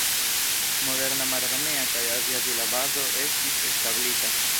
Moderna mararmea kaj aviadila bazo estis establita.